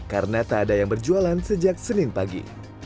karena tak ada yang berjualan sejak senin pagi